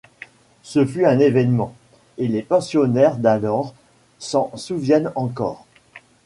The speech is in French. Ce fut un événement, et les pensionnaires d’alors s’en souviennent encore.